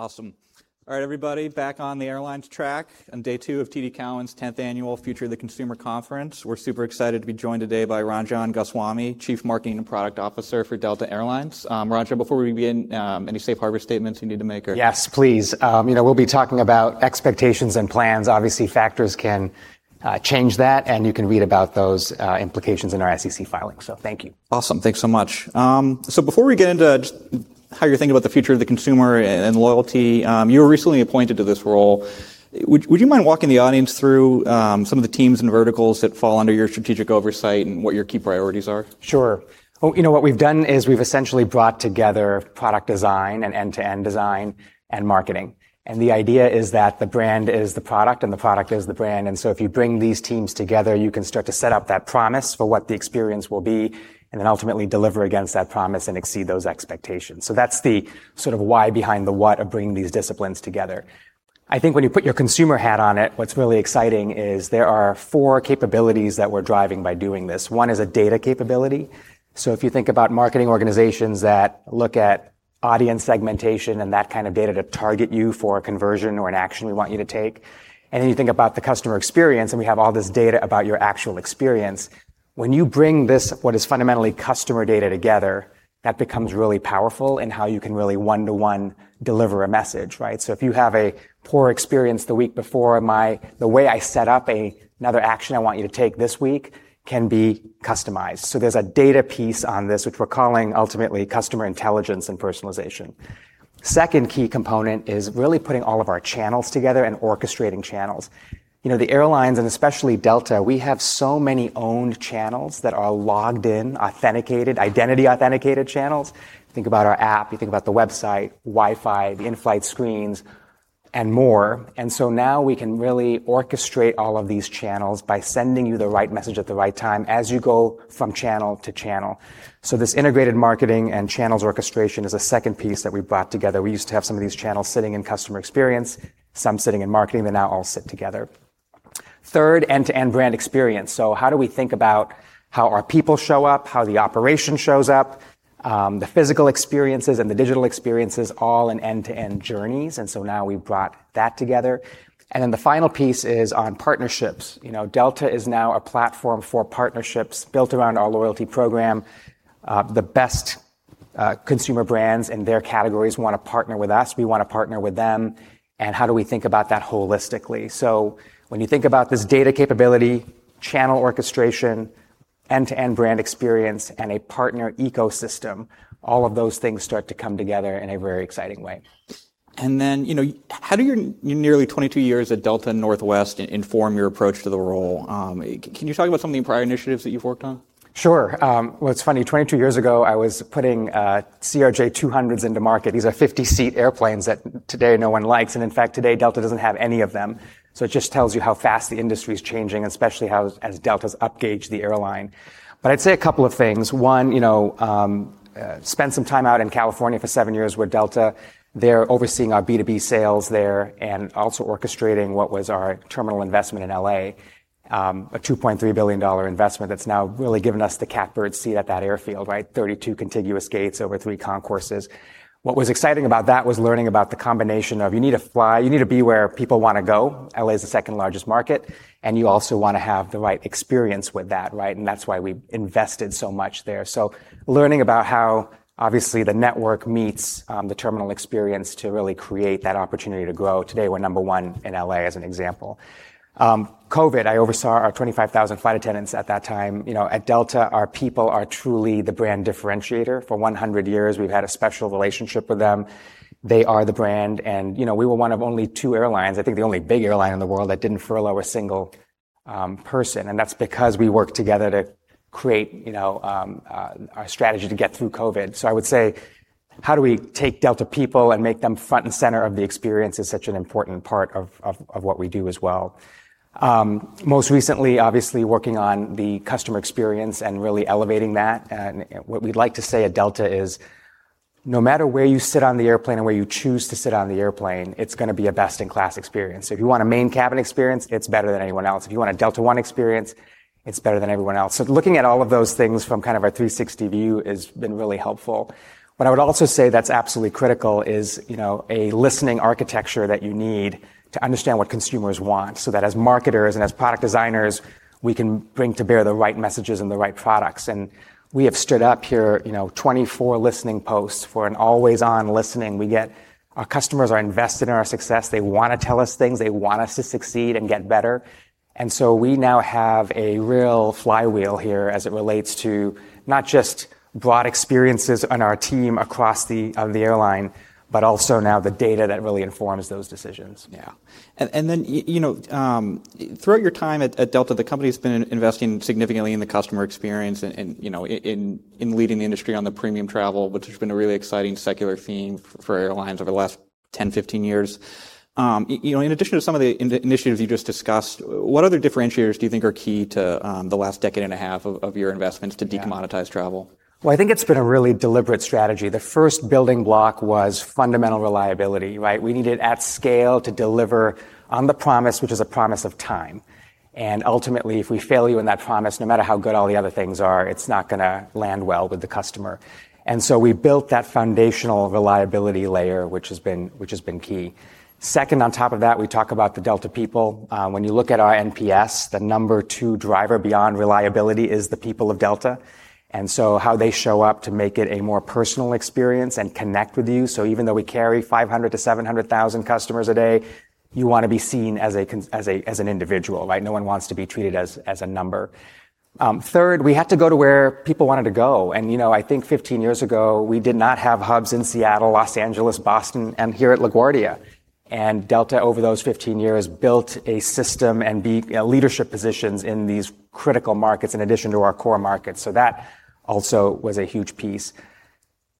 Awesome. All right, everybody, back on the airlines track on day two of TD Cowen's 10th Annual Future of the Consumer Conference. We're super excited to be joined today by Ranjan Goswami, Chief Marketing and Product Officer for Delta Air Lines. Ranjan, before we begin, any safe harbor statements you need to make? Yes, please. We'll be talking about expectations and plans. Obviously, factors can change that, and you can read about those implications in our SEC filings. Thank you. Awesome. Thanks so much. Before we get into just how you're thinking about the future of the consumer and loyalty, you were recently appointed to this role. Would you mind walking the audience through some of the teams and verticals that fall under your strategic oversight and what your key priorities are? Sure. What we've done is we've essentially brought together product design and end-to-end design, and marketing. The idea is that the brand is the product, and the product is the brand. If you bring these teams together, you can start to set up that promise for what the experience will be, and then ultimately deliver against that promise and exceed those expectations. That's the sort of why behind the what of bringing these disciplines together. I think when you put your consumer hat on it, what's really exciting is there are four capabilities that we're driving by doing this. One is a data capability. If you think about marketing organizations that look at audience segmentation and that kind of data to target you for a conversion or an action we want you to take, and then you think about the customer experience, and we have all this data about your actual experience. When you bring this, what is fundamentally customer data together, that becomes really powerful in how you can really one-to-one deliver a message. Right? If you have a poor experience the week before, the way I set up another action I want you to take this week can be customized. There's a data piece on this, which we're calling ultimately customer intelligence and personalization. Second key component is really putting all of our channels together and orchestrating channels. The airlines, and especially Delta, we have so many owned channels that are logged in, authenticated, identity authenticated channels. Think about our app, you think about the website, Wi-Fi, the in-flight screens, and more. Now we can really orchestrate all of these channels by sending you the right message at the right time as you go from channel to channel. This integrated marketing and channels orchestration is a second piece that we brought together. We used to have some of these channels sitting in customer experience, some sitting in marketing. They now all sit together. Third, end-to-end brand experience. How do we think about how our people show up, how the operation shows up, the physical experiences, and the digital experiences all in end-to-end journeys, now we've brought that together. The final piece is on partnerships. Delta is now a platform for partnerships built around our loyalty program. The best consumer brands in their categories want to partner with us. We want to partner with them. How do we think about that holistically? When you think about this data capability, channel orchestration, end-to-end brand experience, and a partner ecosystem, all of those things start to come together in a very exciting way. How do your nearly 22 years at Delta and Northwest inform your approach to the role? Can you talk about some of the prior initiatives that you've worked on? Sure. Well, it's funny. 22 years ago, I was putting CRJ200 into market. These are 50-seat airplanes that today no one likes. In fact, today, Delta doesn't have any of them. It just tells you how fast the industry's changing, especially as Delta's upgauged the airline. I'd say a couple of things. One, spent some time out in California for seven years with Delta there overseeing our B2B sales there and also orchestrating what was our terminal investment in L.A., a $2.3 billion investment that's now really given us the catbird seat at that airfield. Right? 32 contiguous gates over three concourses. What was exciting about that was learning about the combination of you need to fly, you need to be where people want to go. L.A. is the second largest market, you also want to have the right experience with that, right? That's why we invested so much there. Learning about how obviously the network meets the terminal experience to really create that opportunity to grow. Today, we're Number 1 in L.A. as an example. COVID, I oversaw our 25,000 flight attendants at that time. At Delta, our people are truly the brand differentiator. For 100 years, we've had a special relationship with them. They are the brand, and we were one of only two airlines, I think the only big airline in the world that didn't furlough a single person. That's because we worked together to create our strategy to get through COVID. I would say, how do we take Delta people and make them front and center of the experience is such an important part of what we do as well. Most recently, obviously, working on the customer experience and really elevating that. What we like to say at Delta is, no matter where you sit on the airplane and where you choose to sit on the airplane, it's going to be a best-in-class experience. If you want a Main Cabin experience, it's better than anyone else. If you want a Delta One experience, it's better than everyone else. Looking at all of those things from kind of a 360 view has been really helpful. What I would also say that's absolutely critical is a listening architecture that you need to understand what consumers want, so that as marketers and as product designers, we can bring to bear the right messages and the right products. We have stood up here 24 listening posts for an always-on listening. Our customers are invested in our success. They want to tell us things. They want us to succeed and get better. We now have a real flywheel here as it relates to not just broad experiences on our team across the airline, but also now the data that really informs those decisions. Yeah. Throughout your time at Delta, the company's been investing significantly in the customer experience and in leading the industry on the premium travel, which has been a really exciting secular theme for airlines over the last 10, 15 years. In addition to some of the initiatives you just discussed, what other differentiators do you think are key to the last decade and a half of your investments to de-commoditize travel? Well, I think it's been a really deliberate strategy. The first building block was fundamental reliability, right? We needed at scale to deliver on the promise, which is a promise of time. Ultimately, if we fail you in that promise, no matter how good all the other things are, it's not going to land well with the customer. So, we built that foundational reliability layer, which has been key. Second, on top of that, we talk about the Delta people. When you look at our NPS, the Number 2 driver beyond reliability is the people of Delta, so how they show up to make it a more personal experience and connect with you. Even though we carry 500,000 to 700,000 customers a day, you want to be seen as an individual, right? No one wants to be treated as a number. Third, we had to go to where people wanted to go. I think 15 years ago, we did not have hubs in Seattle, L.A., Boston, and here at LaGuardia. Delta, over those 15 years, built a system and leadership positions in these critical markets in addition to our core markets. That also was a huge piece.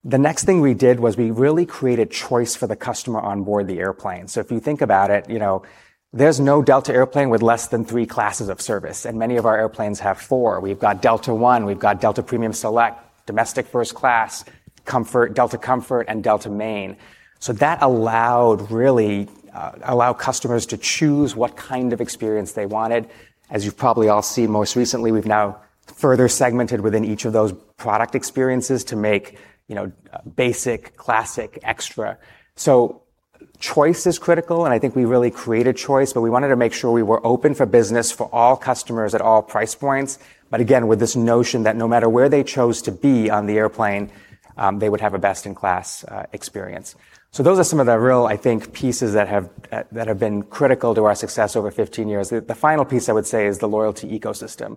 The next thing we did was we really created choice for the customer onboard the airplane. If you think about it, there's no Delta airplane with less than three classes of service, and many of our airplanes have four. We've got Delta One, we've got Delta Premium Select, domestic first class, Comfort, Delta Comfort, and Delta Main. That allowed customers to choose what kind of experience they wanted. As you've probably all seen most recently, we've now further segmented within each of those product experiences to make basic, classic, extra. Choice is critical, and I think we really created choice, but we wanted to make sure we were open for business for all customers at all price points. Again, with this notion that no matter where they chose to be on the airplane, they would have a best-in-class experience. Those are some of the real pieces that have been critical to our success over 15 years. The final piece I would say is the loyalty ecosystem.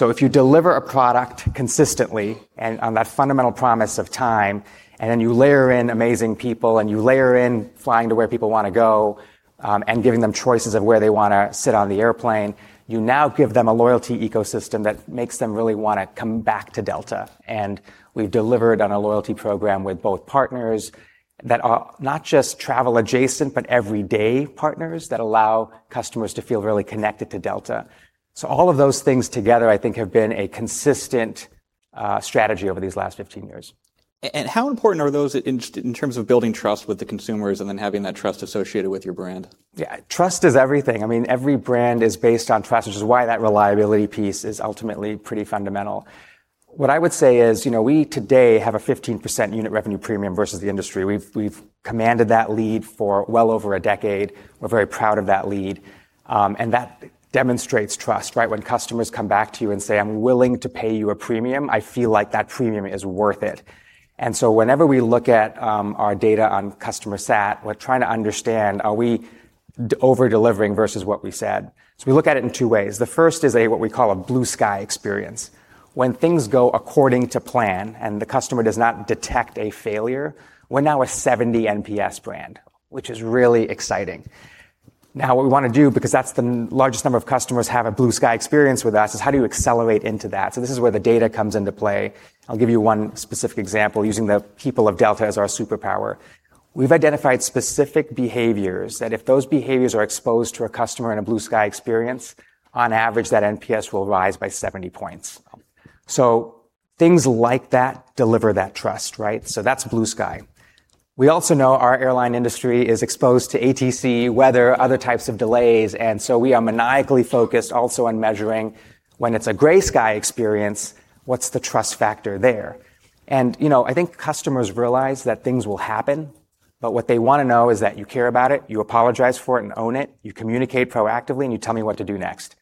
If you deliver a product consistently and on that fundamental promise of time, and then you layer in amazing people, and you layer in flying to where people want to go, and giving them choices of where they want to sit on the airplane, you now give them a loyalty ecosystem that makes them really want to come back to Delta. We've delivered on a loyalty program with both partners that are not just travel adjacent, but everyday partners that allow customers to feel really connected to Delta. All of those things together, I think, have been a consistent strategy over these last 15 years. How important are those in terms of building trust with the consumers and then having that trust associated with your brand? Yeah. Trust is everything. Every brand is based on trust, which is why that reliability piece is ultimately pretty fundamental. We today have a 15%-unit revenue premium versus the industry. We've commanded that lead for well over a decade. We're very proud of that lead. That demonstrates trust, right? When customers come back to you and say, "I'm willing to pay you a premium, I feel like that premium is worth it." Whenever we look at our data on customer sat, we're trying to understand, are we over-delivering versus what we said? We look at it in two ways. The first is what we call a blue sky experience. When things go according to plan and the customer does not detect a failure, we're now a 70 NPS brand, which is really exciting. Now, what we want to do, because that's the largest number of customers have a blue sky experience with us, is how do you accelerate into that? This is where the data comes into play. I'll give you one specific example using the people of Delta as our superpower. We've identified specific behaviors that if those behaviors are exposed to a customer in a blue-sky experience, on average, that NPS will rise by 70 points. Things like that deliver that trust, right. That's blue sky. We also know our airline industry is exposed to ATC, weather, other types of delays, and we are maniacally focused also on measuring when it's a gray sky experience, what's the trust factor there? I think customers realize that things will happen, but what they want to know is that you care about it, you apologize for it and own it, you communicate proactively, and you tell me what to do next.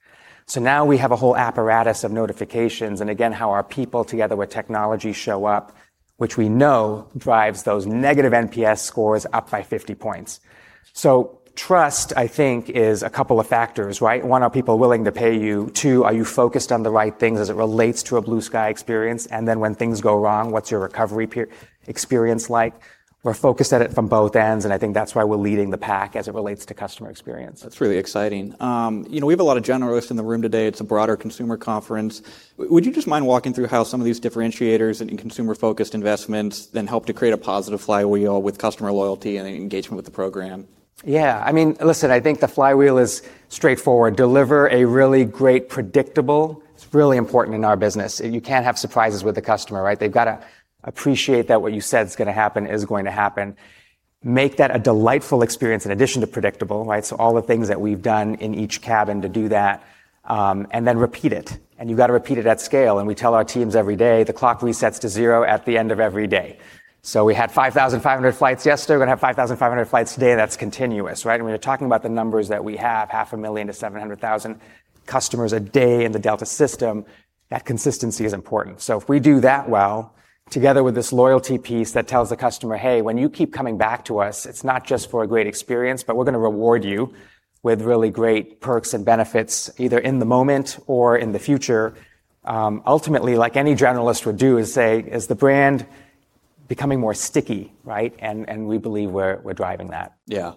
Now we have a whole apparatus of notifications, and again, how our people, together with technology, show up, which we know drives those negative NPS scores up by 50 points. Trust, I think, is a couple of factors, right? One, are people willing to pay you? Two, are you focused on the right things as it relates to a blue sky experience? When things go wrong, what's your recovery experience like? We're focused at it from both ends, and I think that's why we're leading the pack as it relates to customer experience. That's really exciting. We have a lot of generalists in the room today. It's a broader consumer conference. Would you just mind walking through how some of these differentiators and consumer-focused investments then help to create a positive flywheel with customer loyalty and engagement with the program? Yeah. Listen, I think the flywheel is straightforward. Deliver a really great, predictable, it's really important in our business. You can't have surprises with the customer, right? They've got to appreciate that what you said is going to happen is going to happen. Make that a delightful experience in addition to predictable, right? All the things that we've done in each cabin to do that, and then repeat it. You've got to repeat it at scale. We tell our teams every day, the clock resets to zero at the end of every day. We had 5,500 flights yesterday. We're going to have 5,500 flights today. That's continuous, right? When you're talking about the numbers that we have, 500,000 to 700,000 customers a day in the Delta system, that consistency is important. If we do that well, together with this loyalty piece that tells the customer, "Hey, when you keep coming back to us, it's not just for a great experience, but we're going to reward you with really great perks and benefits, either in the moment or in the future." Ultimately, like any generalist would do is say, is the brand becoming more sticky, right? We believe we're driving that. Yeah.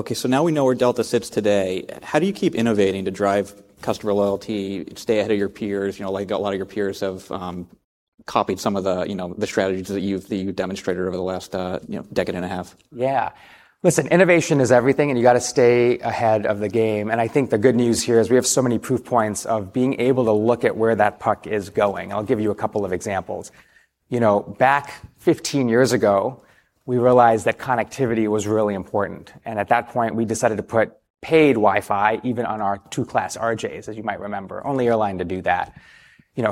Okay, now we know where Delta sits today. How do you keep innovating to drive customer loyalty, stay ahead of your peers? A lot of your peers have copied some of the strategies that you've demonstrated over the last decade and a half. Yeah. Listen, innovation is everything. You've got to stay ahead of the game. I think the good news here is we have so many proof points of being able to look at where that puck is going. I'll give you a couple of examples. Back 15 years ago, we realized that connectivity was really important, and at that point, we decided to put paid Wi-Fi even on our two class RJs, as you might remember. Only airline to do that.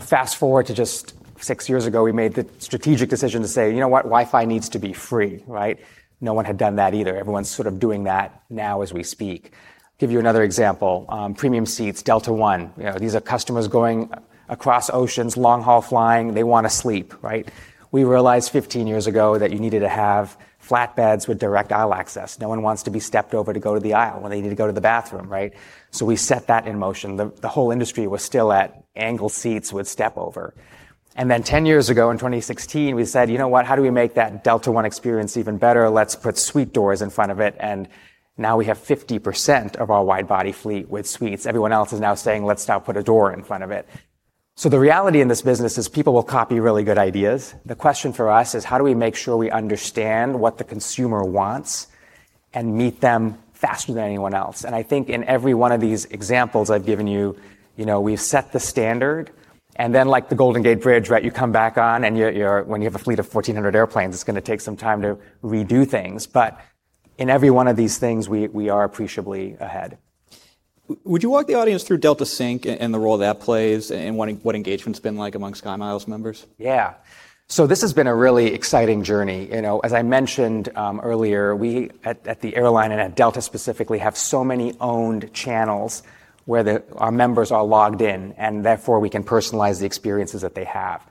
Fast-forward to just six years ago, we made the strategic decision to say, "You know what? Wi-Fi needs to be free," right? No one had done that either. Everyone's sort of doing that now as we speak. Give you another example. Premium seats, Delta One. These are customers going across oceans, long haul flying. They want to sleep, right? We realized 15 years ago that you needed to have flat beds with direct aisle access. No one wants to be stepped over to go to the aisle when they need to go to the bathroom, right? We set that in motion. The whole industry was still at angle seats with step over. 10 years ago, in 2016, we said, "You know what? How do we make that Delta One experience even better? Let's put suite doors in front of it." Now we have 50% of our wide body fleet with suites. Everyone else is now saying, "Let's now put a door in front of it." The reality in this business is people will copy really good ideas. The question for us is how do we make sure we understand what the consumer wants and meet them faster than anyone else? I think in every one of these examples I've given you, we've set the standard and then, like the Golden Gate Bridge, right, you come back on, and when you have a fleet of 1,400 airplanes, it's going to take some time to redo things. In every one of these things, we are appreciably ahead. Would you walk the audience through Delta Sync and the role that plays and what engagement's been like amongst SkyMiles members? Yeah. This has been a really exciting journey. As I mentioned earlier, we at the airline and at Delta specifically, have so many owned channels where our members are logged in, and therefore we can personalize the experiences that they have.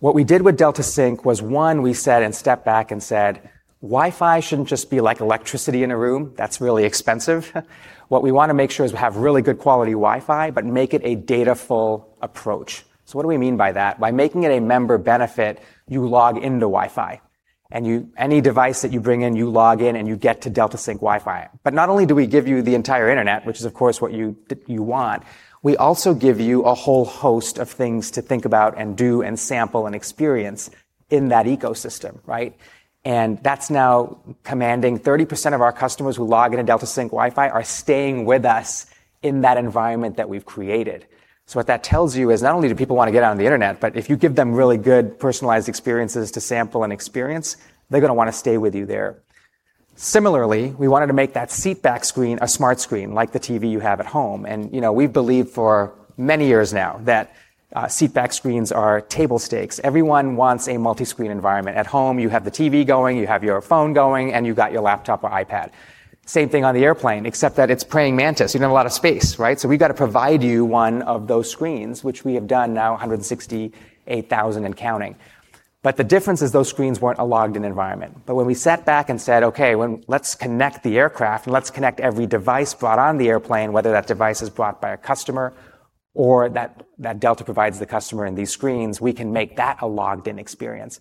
What we did with Delta Sync was, one, we sat and stepped back and said, "Wi-Fi shouldn't just be like electricity in a room that's really expensive." What we want to make sure is we have really good quality Wi-Fi but make it a dataful approach. What do we mean by that? By making it a member benefit, you log into Wi-Fi, and any device that you bring in, you log in, and you get to Delta Sync Wi-Fi. Not only do we give you the entire Internet, which is of course what you want, we also give you a whole host of things to think about and do and sample and experience in that ecosystem, right? That's now commanding 30% of our customers who log into Delta Sync Wi-Fi are staying with us in that environment that we've created. What that tells you is not only do people want to get on the Internet, but if you give them really good, personalized experiences to sample and experience, they're going to want to stay with you there. Similarly, we wanted to make that seat back screen a smart screen like the TV you have at home. We've believed for many years now that seat back screens are table stakes. Everyone wants a multi-screen environment. At home, you have the TV going, you have your phone going, and you've got your laptop or iPad. Same thing on the airplane, except that it's praying mantis. You don't have a lot of space, right? We've got to provide you one of those screens, which we have done now 168,000 and counting. The difference is those screens weren't a logged in environment. When we sat back and said, "Okay, let's connect the aircraft and let's connect every device brought on the airplane," whether that device is brought by a customer or that Delta provides the customer in these screens, we can make that a logged in experience.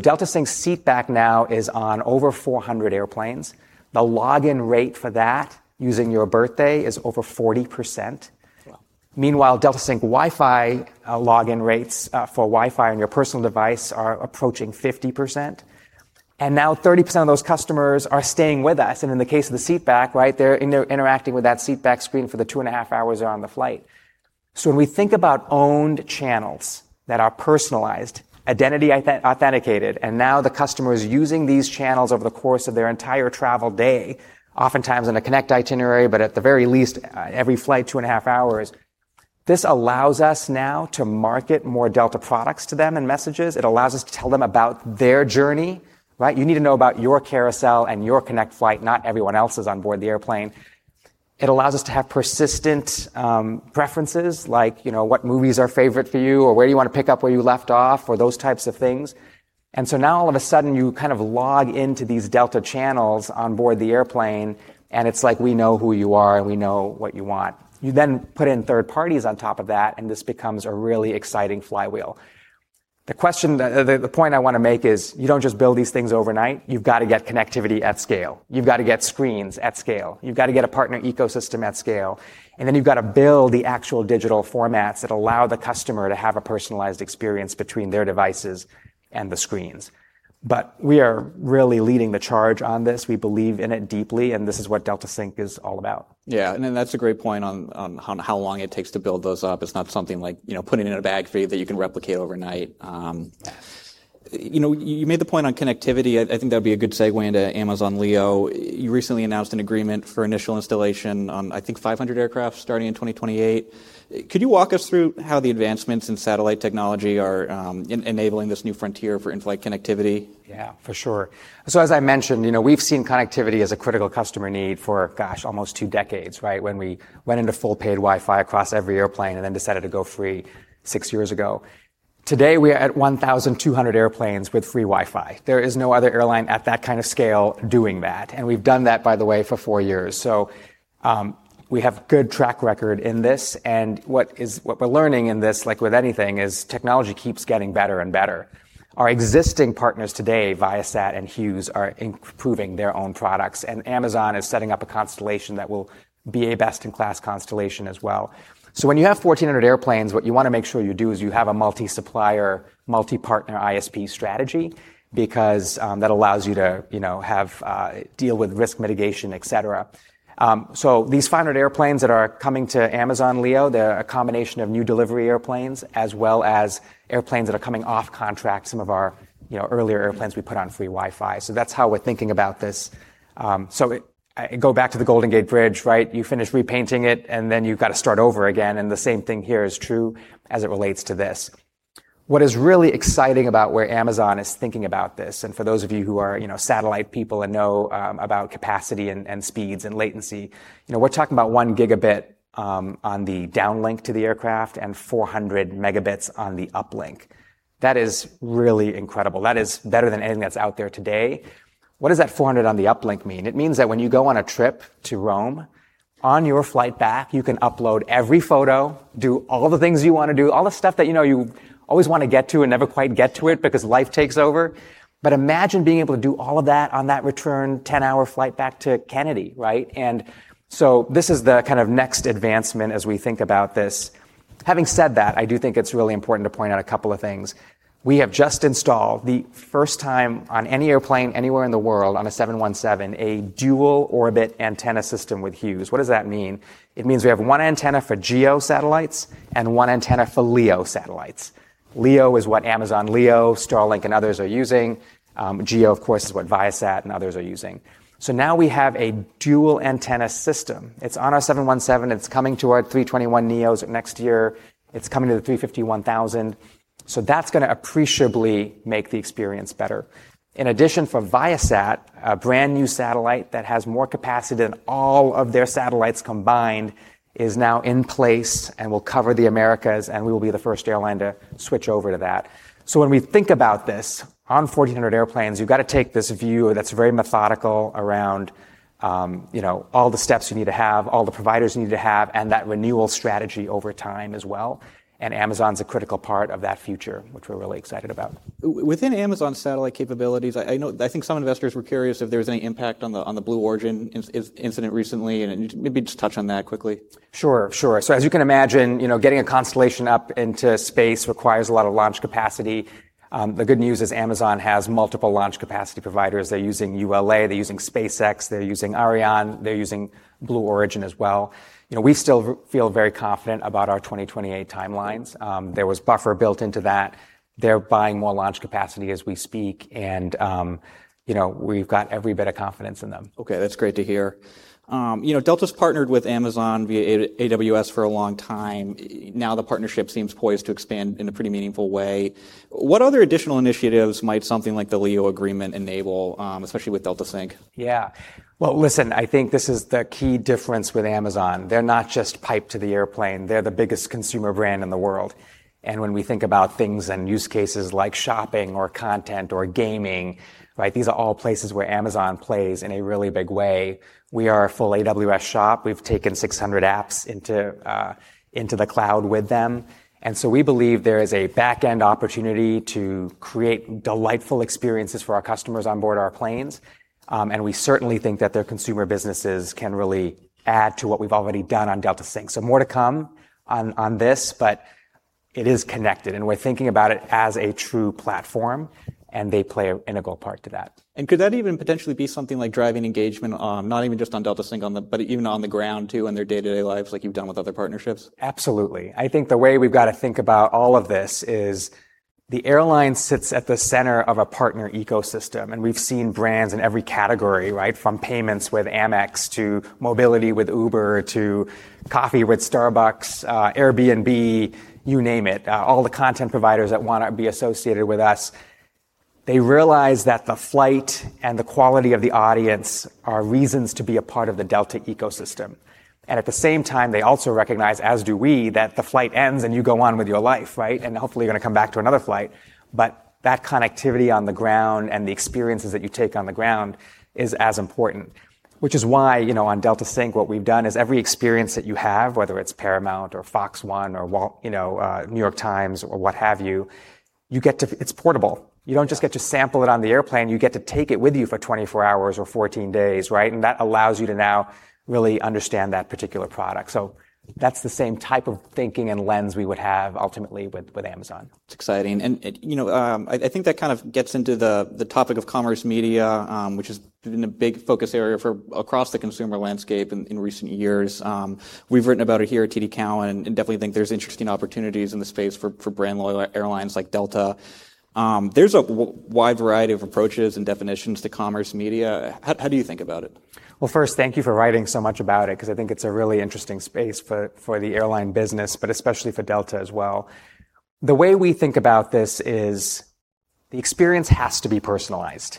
Delta Sync seatback now is on over 400 airplanes. The login rate for that using your birthday is over 40%. Wow. Meanwhile, Delta Sync Wi-Fi login rates for Wi-Fi on your personal device are approaching 50%. Now 30% of those customers are staying with us. In the case of the seatback, right, they're interacting with that seatback screen for the two and a half hours they're on the flight. When we think about owned channels that are personalized, identity authenticated, and now the customer is using these channels over the course of their entire travel day, oftentimes on a connect itinerary, but at the very least every flight, two and a half hours, this allows us now to market more Delta products to them and messages. It allows us to tell them about their journey, right? You need to know about your carousel and your connect flight, not everyone else's on board the airplane. It allows us to have persistent preferences like what movies are favorite for you, or where do you want to pick up where you left off, or those types of things. Now all of a sudden, you kind of log into these Delta channels on board the airplane, and it's like, we know who you are, we know what you want. You then put in third parties on top of that, and this becomes a really exciting flywheel. The point I want to make is you don't just build these things overnight. You've got to get connectivity at scale. You've got to get screens at scale. You've got to get a partner ecosystem at scale. You've got to build the actual digital formats that allow the customer to have a personalized experience between their devices and the screens. We are really leading the charge on this. We believe in it deeply, and this is what Delta Sync is all about. Yeah. That's a great point on how long it takes to build those up. It's not something like putting it in a bag for you that you can replicate overnight. Yeah. You made the point on connectivity. I think that'd be a good segue into Amazon Leo. You recently announced an agreement for initial installation on, I think, 500 aircraft starting in 2028. Could you walk us through how the advancements in satellite technology are enabling this new frontier for in-flight connectivity? Yeah, for sure. As I mentioned, we've seen connectivity as a critical customer need for, gosh, almost two decades, right? When we went into full paid Wi-Fi across every airplane and then decided to go free six years ago. Today we are at 1,200 airplanes with free Wi-Fi. There is no other airline at that kind of scale doing that, and we've done that, by the way, for four years. We have good track record in this. What we're learning in this, like with anything, is technology keeps getting better and better. Our existing partners today, Viasat and Hughes, are improving their own products. Amazon is setting up a constellation that will be a best-in-class constellation as well. When you have 1,400 airplanes, what you want to make sure you do is you have a multi-supplier, multi-partner ISP strategy, because that allows you to deal with risk mitigation, et cetera. These 500 airplanes that are coming to Amazon Leo, they're a combination of new delivery airplanes as well as airplanes that are coming off contract. Some of our earlier airplanes we put on free Wi-Fi. That's how we're thinking about this. Go back to the Golden Gate Bridge, right? You finish repainting it, and then you've got to start over again. The same thing here is true as it relates to this. What is really exciting about where Amazon is thinking about this, for those of you who are satellite people and know about capacity and speeds and latency, we're talking about one gigabit on the downlink to the aircraft and 400 megabits on the uplink. That is really incredible. That is better than anything that's out there today. What does that 400 on the uplink mean? It means that when you go on a trip to Rome, on your flight back, you can upload every photo, do all the things you want to do, all the stuff that you know you always want to get to and never quite get to it because life takes over. Imagine being able to do all of that on that return 10-hour flight back to Kennedy, right? This is the kind of next advancement as we think about this. Having said that, I do think it's really important to point out a couple of things. We have just installed the first time on any airplane anywhere in the world on a 717, a dual orbit antenna system with Hughes. What does that mean? It means we have one antenna for GEO satellites and one antenna for LEO satellites. LEO is what Amazon Leo, Starlink, and others are using. GEO, of course, is what Viasat and others are using. Now we have a dual antenna system. It's on our 717. It's coming to our 321neos next year. It's coming to the 350-1000. That's going to appreciably make the experience better. In addition, for Viasat, a brand-new satellite that has more capacity than all of their satellites combined is now in place and will cover the Americas. We will be the first airline to switch over to that. When we think about this, on 1,400 airplanes you've got to take this view that's very methodical around all the steps you need to have, all the providers you need to have, and that renewal strategy over time as well. Amazon's a critical part of that future, which we're really excited about. Within Amazon's satellite capabilities, I think some investors were curious if there was any impact on the Blue Origin incident recently. Maybe just touch on that quickly. Sure. As you can imagine, getting a constellation up into space requires a lot of launch capacity. The good news is Amazon has multiple launch capacity providers. They're using ULA, they're using SpaceX, they're using Ariane, they're using Blue Origin as well. We still feel very confident about our 2028 timelines. There was buffer built into that. They're buying more launch capacity as we speak, and we've got every bit of confidence in them. Okay. That's great to hear. Delta's partnered with Amazon via AWS for a long time. Now the partnership seems poised to expand in a pretty meaningful way. What other additional initiatives might something like the Leo agreement enable, especially with Delta Sync? Yeah. Well, listen, I think this is the key difference with Amazon. They're not just pipe to the airplane. They're the biggest consumer brand in the world. When we think about things and use cases like shopping or content or gaming, these are all places where Amazon plays in a really big way. We are a full AWS shop. We've taken 600 apps into the cloud with them. We believe there is a back-end opportunity to create delightful experiences for our customers onboard our planes. We certainly think that their consumer businesses can really add to what we've already done on Delta Sync. More to come on this, but it is connected, and we're thinking about it as a true platform, and they play an integral part to that. Could that even potentially be something like driving engagement on not even just on Delta Sync but even on the ground, too, in their day-to-day lives like you've done with other partnerships? Absolutely. I think the way we've got to think about all of this is the airline sits at the center of a partner ecosystem, and we've seen brands in every category, right? From payments with Amex to mobility with Uber to coffee with Starbucks, Airbnb, you name it. All the content providers that want to be associated with us, they realize that the flight and the quality of the audience are reasons to be a part of the Delta ecosystem. At the same time, they also recognize, as do we, that the flight ends and you go on with your life, right? Hopefully you're going to come back to another flight. That connectivity on the ground and the experiences that you take on the ground is as important. Which is why on Delta Sync, what we've done is every experience that you have, whether it's Paramount or FOX One or New York Times or what have you, it's portable. You don't just get to sample it on the airplane. You get to take it with you for 24 hours or 14 days, right? That allows you to now really understand that particular product. That's the same type of thinking and lens we would have ultimately with Amazon. It's exciting. I think that kind of gets into the topic of commerce media, which has been a big focus area across the consumer landscape in recent years. We've written about it here at TD Cowen and definitely think there's interesting opportunities in the space for brand loyal airlines like Delta. There's a wide variety of approaches and definitions to commerce media. How do you think about it? First, thank you for writing so much about it, because I think it's a really interesting space for the airline business, but especially for Delta as well. The way we think about this is the experience has to be personalized.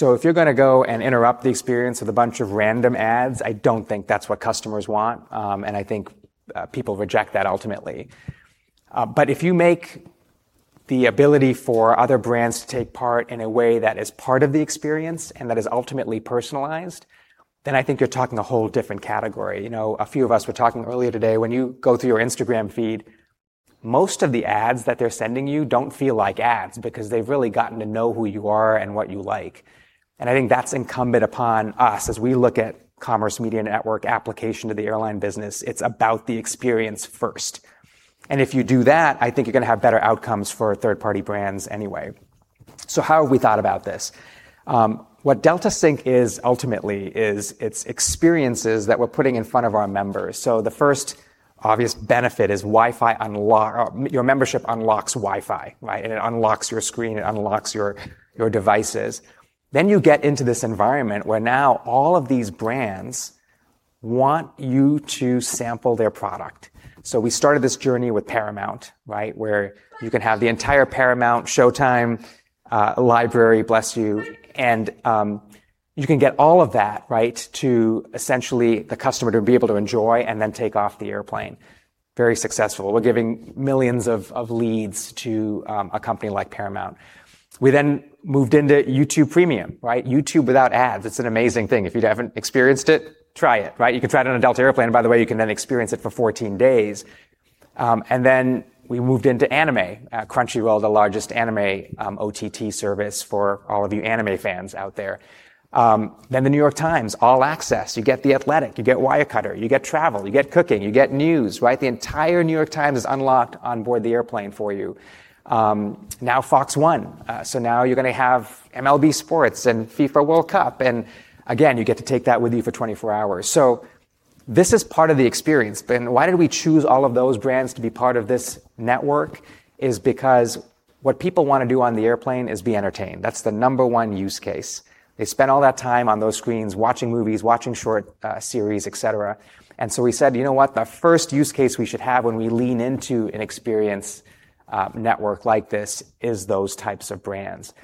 If you're going to go and interrupt the experience with a bunch of random ads, I don't think that's what customers want, and I think people reject that ultimately. If you make the ability for other brands to take part in a way that is part of the experience and that is ultimately personalized, then I think you're talking a whole different category. A few of us were talking earlier today, when you go through your Instagram feed, most of the ads that they're sending you don't feel like ads because they've really gotten to know who you are and what you like. I think that's incumbent upon us as we look at commerce media network application to the airline business. It's about the experience first. If you do that, I think you're going to have better outcomes for third-party brands anyway. How have we thought about this? What Delta Sync is ultimately is it's experiences that we're putting in front of our members. The first obvious benefit is your membership unlocks Wi-Fi, right? It unlocks your screen, it unlocks your devices. You get into this environment where now all of these brands want you to sample their product. We started this journey with Paramount, right, where you can have the entire Paramount Showtime library, bless you, and you can get all of that, right, to essentially the customer to be able to enjoy and then take off the airplane. Very successful. We're giving millions of leads to a company like Paramount. We moved into YouTube Premium, right? YouTube without ads, it's an amazing thing. If you haven't experienced it, try it, right? You can try it on a Delta airplane, and by the way, you can then experience it for 14 days. We moved into anime, Crunchyroll, the largest anime OTT service for all of you anime fans out there. The New York Times All Access. You get The Athletic, you get Wirecutter, you get travel, you get cooking, you get news, right? The entire New York Times is unlocked on board the airplane for you. Now FOX One. Now you're going to have MLB Sports and FIFA World Cup, and again, you get to take that with you for 24 hours. This is part of the experience, but why did we choose all of those brands to be part of this network is because what people want to do on the airplane is be entertained. That's the number one use case. They spend all that time on those screens watching movies, watching short series, et cetera. We said, you know what? The first use case we should have when we lean into an experience network like this is those types of brands.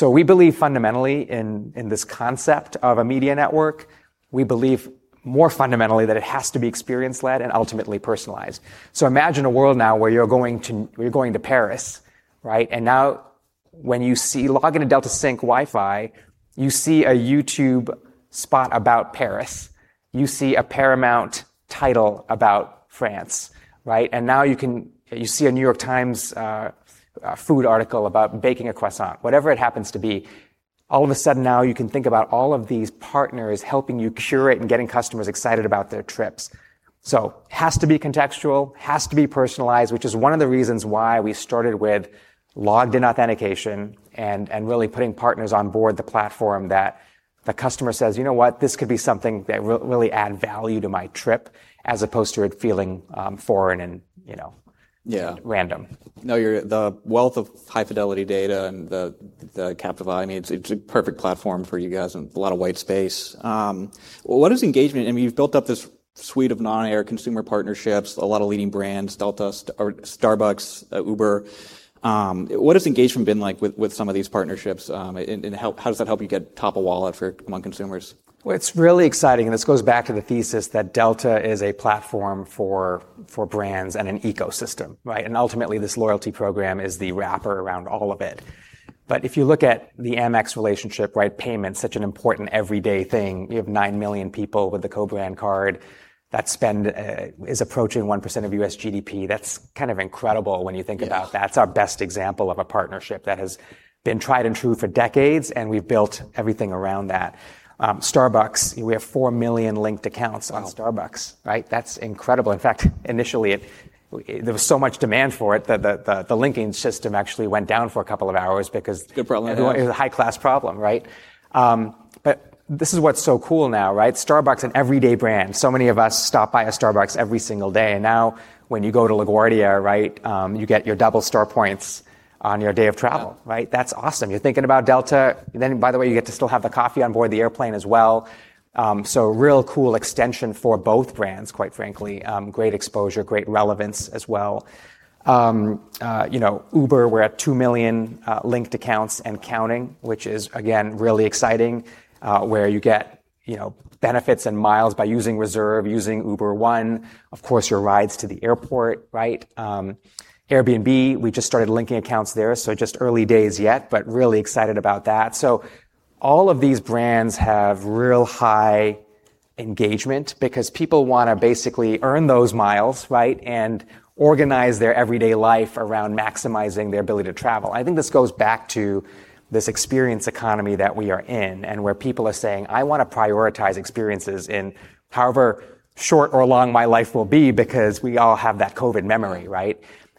We believe fundamentally in this concept of a media network. We believe more fundamentally that it has to be experience led and ultimately personalized. Imagine a world now where you're going to Paris, right? Now when you log into Delta Sync Wi-Fi, you see a YouTube spot about Paris. You see a Paramount title about France, right? Now you see a New York Times food article about baking a croissant. Whatever it happens to be, all of a sudden now you can think about all of these partners helping you curate and getting customers excited about their trips. Has to be contextual, has to be personalized, which is one of the reasons why we started with logged in authentication and really putting partners on board the platform that the customer says, "You know what? This could be something that will really add value to my trip," as opposed to it feeling foreign and. Yeah random. No, the wealth of high fidelity data and the capital, it's a perfect platform for you guys and a lot of white space. What is engagement? You've built up this suite of non-air consumer partnerships, a lot of leading brands, Delta or Starbucks, Uber. What has engagement been like with some of these partnerships? How does that help you get top of wallet among consumers? It's really exciting, this goes back to the thesis that Delta is a platform for brands and an ecosystem, right? Ultimately, this loyalty program is the wrapper around all of it. If you look at the Amex relationship, right, payments such an important everyday thing. You have 9 million people with a co-brand card that spend is approaching 1% of U.S. GDP. That's kind of incredible when you think about that. Yeah. It's our best example of a partnership that has been tried and true for decades, and we've built everything around that. Starbucks, we have four million linked accounts on Starbucks. Wow. Right? That's incredible. In fact, initially, there was so much demand for it that the linking system actually went down for a couple of hours. Good problem to have. It was a high class problem, right? This is what's so cool now, right? Starbucks, an everyday brand. Many of us stop by a Starbucks every single day. Now when you go to LaGuardia, right, you get your double star points on your day of travel, right? Wow. That's awesome. You're thinking about Delta. By the way, you get to still have the coffee on board the airplane as well. Real cool extension for both brands, quite frankly. Great exposure, great relevance as well. Uber, we're at 2 million linked accounts and counting, which is again, really exciting, where you get benefits and miles by using Reserve, using Uber One, of course, your rides to the airport, right? Airbnb, we just started linking accounts there, so just early days yet, but really excited about that. All of these brands have real high engagement because people want to basically earn those miles, right, and organize their everyday life around maximizing their ability to travel. I think this goes back to this experience economy that we are in, and where people are saying, "I want to prioritize experiences in however short or long my life will be," because we all have that COVID memory,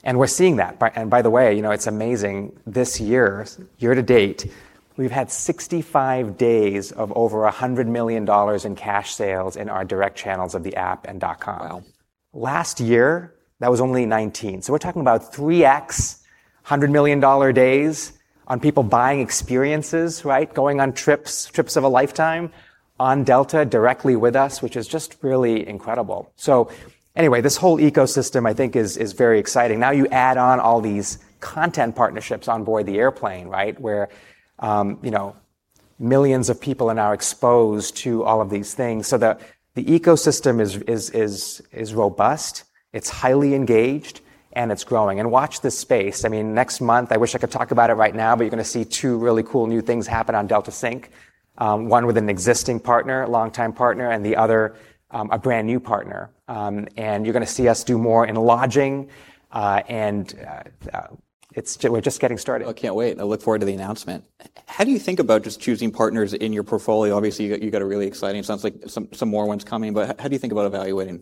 right? We're seeing that. By the way, it's amazing. This year to date, we've had 65 days of over $100 million in cash sales in our direct channels of the app and .com. Wow. Last year, that was only 19. We're talking about 3x $100 million days on people buying experiences, right, going on trips of a lifetime on Delta directly with us, which is just really incredible. This whole ecosystem I think is very exciting. Now you add on all these content partnerships on board the airplane, right? Where millions of people are now exposed to all of these things. The ecosystem is robust, it's highly engaged, and it's growing. Watch this space. Next month, I wish I could talk about it right now, but you're going to see two really cool new things happen on Delta Sync. One with an existing partner, a longtime partner, and the other, a brand-new partner. You're going to see us do more in lodging. We're just getting started. I can't wait. I look forward to the announcement. How do you think about just choosing partners in your portfolio? Obviously, you've got a really exciting. Sounds like some more ones coming, but how do you think about evaluating?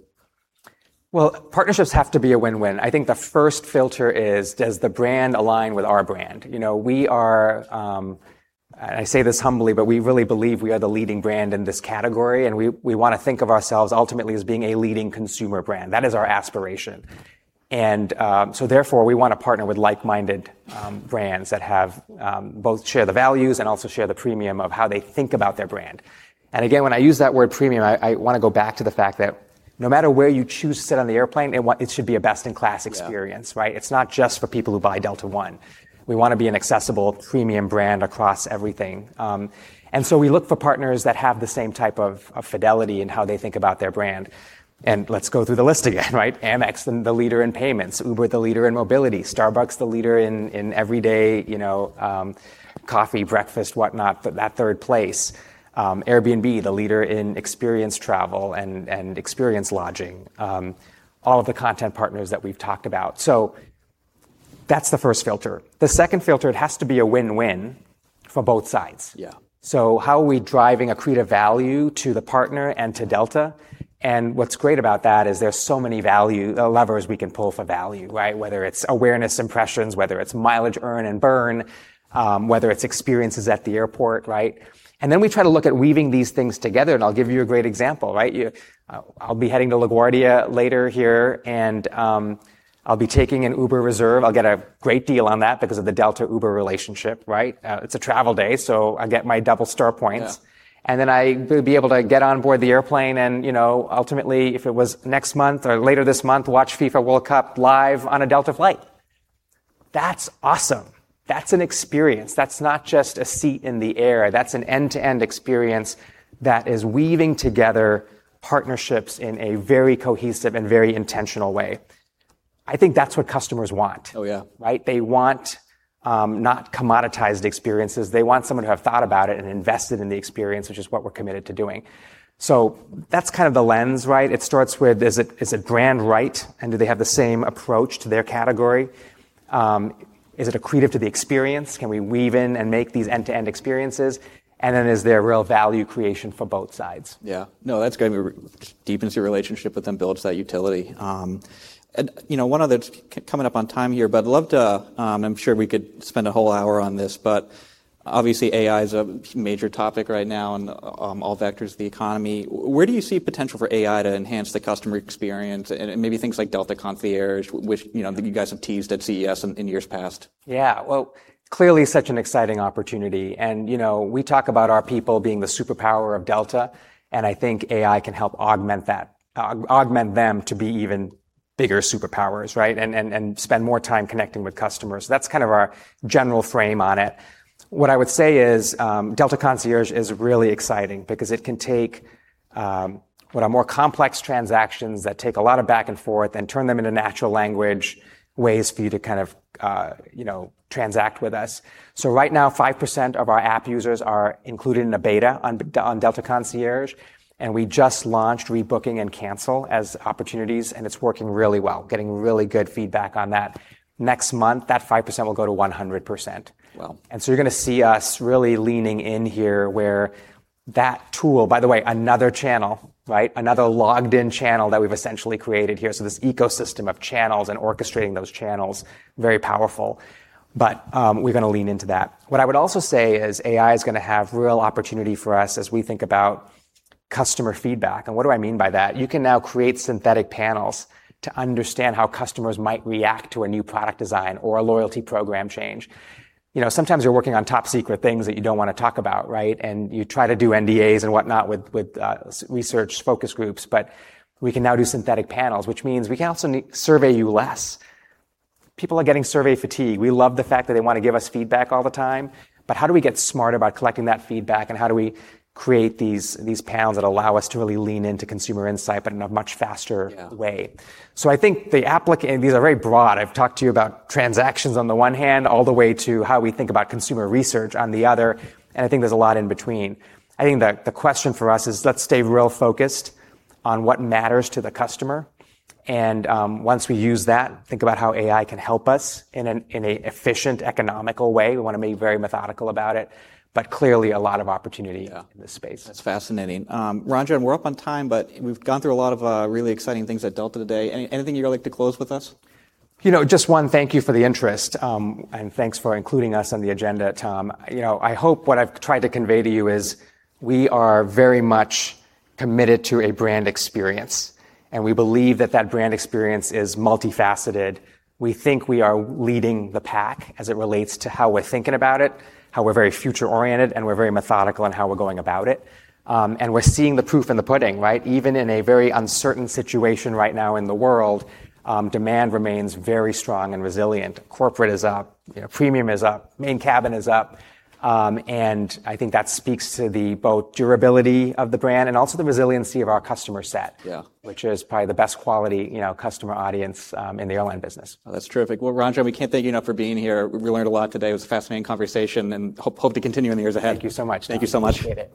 Well, partnerships have to be a win-win. I think the first filter is, does the brand align with our brand? I say this humbly, but we really believe we are the leading brand in this category, and we want to think of ourselves ultimately as being a leading consumer brand. That is our aspiration. Therefore, we want to partner with like-minded brands that both share the values and also share the premium of how they think about their brand. Again, when I use that word "premium," I want to go back to the fact that no matter where you choose to sit on the airplane, it should be a best-in-class experience, right? Yeah. It's not just for people who buy Delta One. We want to be an accessible premium brand across everything. We look for partners that have the same type of fidelity in how they think about their brand. Let's go through the list again, right? Amex, the leader in payments. Uber, the leader in mobility. Starbucks, the leader in everyday coffee, breakfast, whatnot, but that third place. Airbnb, the leader in experience travel and experience lodging. All of the content partners that we've talked about. That's the first filter. The second filter, it has to be a win-win for both sides. Yeah. How are we driving accretive value to the partner and to Delta? What's great about that is there's so many levers we can pull for value. Whether it's awareness impressions, whether it's mileage earn and burn, whether it's experiences at the airport. Then we try to look at weaving these things together, and I'll give you a great example. I'll be heading to LaGuardia later here, and I'll be taking an Uber Reserve. I'll get a great deal on that because of the Delta-Uber relationship. It's a travel day, so I get my double star points. Yeah. I will be able to get on board the airplane and ultimately, if it was next month or later this month, watch FIFA World Cup live on a Delta flight. That's awesome. That's an experience. That's not just a seat in the air. That's an end-to-end experience that is weaving together partnerships in a very cohesive and very intentional way. I think that's what customers want. Oh, yeah. Right? They want not commoditized experiences. They want someone who have thought about it and invested in the experience, which is what we're committed to doing. That's the lens, right? It starts with, is it brand right, and do they have the same approach to their category? Is it accretive to the experience? Can we weave in and make these end-to-end experiences? Is there real value creation for both sides? Yeah. No, that's going to deepens your relationship with them, builds that utility. Coming up on time here, I'm sure we could spend a whole hour on this, but obviously, AI is a major topic right now in all vectors of the economy. Where do you see potential for AI to enhance the customer experience, and maybe things like Delta Concierge, which I think you guys have teased at CES in years past? Yeah. Well, clearly such an exciting opportunity. We talk about our people being the superpower of Delta, and I think AI can help augment them to be even bigger superpowers, right? Spend more time connecting with customers. That's our general frame on it. What I would say is, Delta Concierge is really exciting because it can take what are more complex transactions that take a lot of back and forth and turn them into natural language ways for you to transact with us. Right now, 5% of our app users are included in a beta on Delta Concierge, and we just launched rebooking and cancel as opportunities, and it's working really well. Getting really good feedback on that. Next month, that 5% will go to 100%. Wow. You're going to see us really leaning in here where that tool, by the way, another channel, right, another logged-in channel that we've essentially created here. This ecosystem of channels and orchestrating those channels, very powerful. We're going to lean into that. What I would also say is AI is going to have real opportunity for us as we think about customer feedback. What do I mean by that? You can now create synthetic panels to understand how customers might react to a new product design or a loyalty program change. Sometimes you're working on top-secret things that you don't want to talk about, right? You try to do NDAs and whatnot with research focus groups, but we can now do synthetic panels, which means we can also survey you less. People are getting survey fatigue. We love the fact that they want to give us feedback all the time, but how do we get smarter about collecting that feedback, and how do we create these panels that allow us to really lean into consumer insight, but in a much faster way? Yeah. I think these are very broad. I've talked to you about transactions on the one hand, all the way to how we think about consumer research on the other, and I think there's a lot in between. I think the question for us is, let's stay real focused on what matters to the customer, and once we use that, think about how AI can help us in an efficient, economical way. We want to be very methodical about it, but clearly a lot of opportunity. Yeah in this space. That's fascinating. Ranjan, we're up on time, but we've gone through a lot of really exciting things at Delta today. Anything you'd like to close with us? Just one thank you for the interest, and thanks for including us on the agenda, Tom. I hope what I've tried to convey to you is we are very much committed to a brand experience, and we believe that that brand experience is multifaceted. We think we are leading the pack as it relates to how we're thinking about it, how we're very future-oriented, and we're very methodical in how we're going about it. We're seeing the proof in the pudding, right? Even in a very uncertain situation right now in the world, demand remains very strong and resilient. Corporate is up, premium is up, Main Cabin is up. I think that speaks to both the durability of the brand and also the resiliency of our customer set. Yeah. Which is probably the best quality customer audience in the airline business. That's terrific. Well, Ranjan, we can't thank you enough for being here. We learned a lot today. It was a fascinating conversation, and hope to continue in the years ahead. Thank you so much, Tom. Thank you so much. Appreciate it.